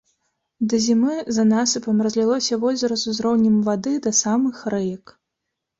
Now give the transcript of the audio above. Да зімы за насыпам разлілося возера з узроўнем вады да самых рэек.